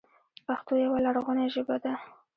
پښتو یوه لرغوني ژبه ده.